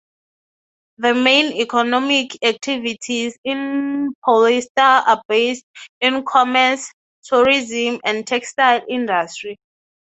The main economic activities in Paulista are based in commerce, tourism and textile industry.